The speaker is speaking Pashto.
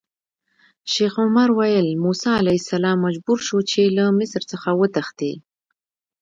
شیخ عمر ویل: موسی علیه السلام مجبور شو چې له مصر څخه وتښتي.